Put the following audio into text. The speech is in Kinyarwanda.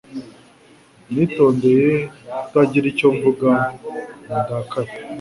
Nitondeye kutagira icyo mvuga ngo ndakare